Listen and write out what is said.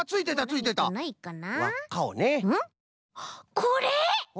これ！